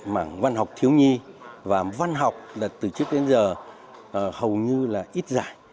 mảng văn học thiếu nhi và văn học là từ trước đến giờ hầu như là ít giải